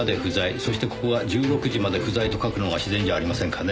そしてここは「１６時まで不在」と書くのが自然じゃありませんかねえ。